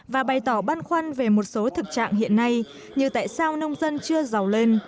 và bày tỏ băn khoăn về một số thực trạng hiện nay như tại sao nông dân chưa giàu lên